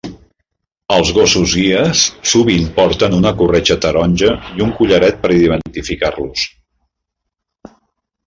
Els gossos guia sovint porten una corretja taronja i un collaret per identificar-los.